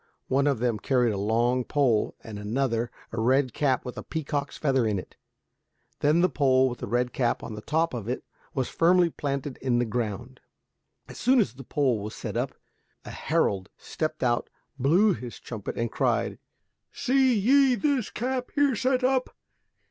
One of them carried a long pole, and another a red cap with a peacock's feather in it. Then the pole with the red cap on the top of it was firmly planted in the ground. As soon as the pole was set up a herald stepped out, blew his trumpet and cried, "Se ye this cap here set up?